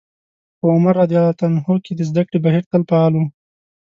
په عمر رض کې د زدکړې بهير تل فعال و.